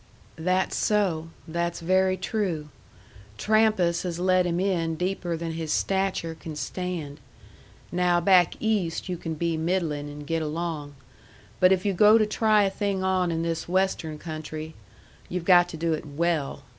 "That's so. That's very true. Trampas has led him in deeper than his stature can stand. Now back East you can be middling and get along. But if you go to try a thing on in this Western country, you've got to do it WELL.